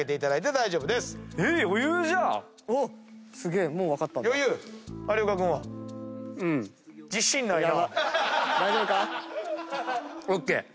大丈夫か？ＯＫ！